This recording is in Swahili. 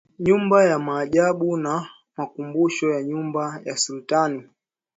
Nyumba ya Maajabu na Makumbusho ya Nyumba ya Sultani